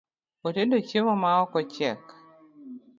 Otedo chiemo ma ok ochiek